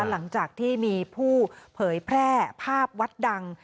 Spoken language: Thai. หลังจากที่มีผู้เผยแพร่ภาพวัดดัง